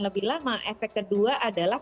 lebih lama efek kedua adalah